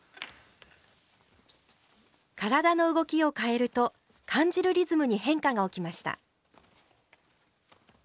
体の動きを変えると感じるリズムに変化が起きました。